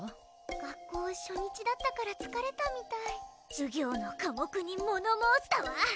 学校初日だったからつかれたみたい授業の科目にもの申すだわ